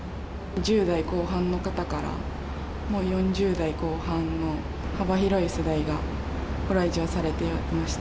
１０代後半の方から、もう４０代後半の幅広い世代が、ご来店されています。